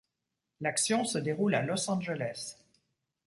L'action se déroule à Los Angeles.